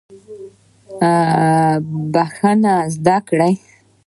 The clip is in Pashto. بخښل زده کړئ